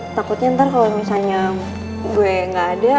takutnya nanti kalau misalnya gue gak ada